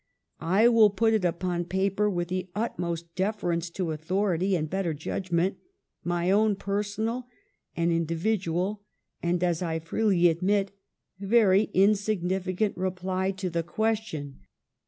I will put it upon paper, with the utmost deference to authority and better judgment, my own personal and indi vidual, and, as I freely admit, very insignificant reply to the question.